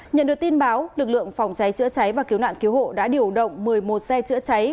nhận được tin báo lực lượng phòng cháy chữa cháy và cứu nạn cứu hộ đã điều động một mươi một xe chữa cháy